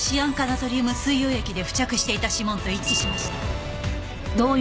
ナトリウム水溶液で付着していた指紋と一致しました。